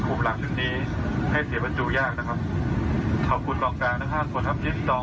ตรงนี้เอกันสนานมากจริงครับ